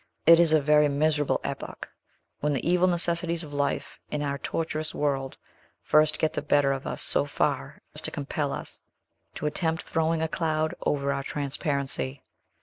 It is a very miserable epoch, when the evil necessities of life, in our tortuous world, first get the better of us so far as to compel us to attempt throwing a cloud over our transparency.